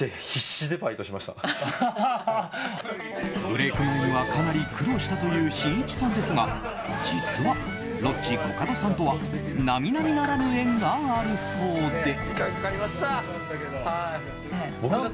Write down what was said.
ブレーク前にはかなり苦労したというしんいちさんですが実はロッチ、コカドさんとは並々ならぬ縁があるそうで。